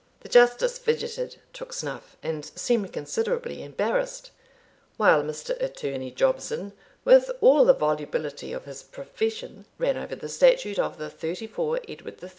The Justice fidgeted, took snuff, and seemed considerably embarrassed, while Mr. Attorney Jobson, with all the volubility of his profession, ran over the statute of the 34 Edward III.